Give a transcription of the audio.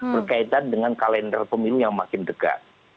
berkaitan dengan kalender pemilu yang makin dekat